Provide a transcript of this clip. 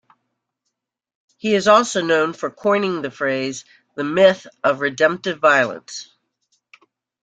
He is also known for coining the phrase "the myth of redemptive violence".